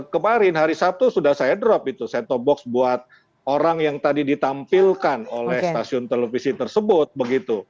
kemarin hari sabtu sudah saya drop itu set top box buat orang yang tadi ditampilkan oleh stasiun televisi tersebut begitu